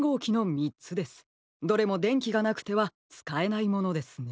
どれもでんきがなくてはつかえないものですね。